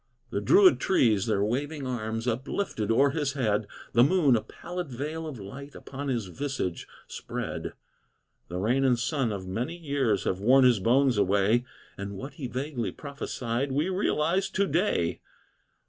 The druid trees their waving arms Uplifted o'er his head; The moon a pallid veil of light Upon his visage spread. The rain and sun of many years Have worn his bones away, And what he vaguely prophesied We realize to day.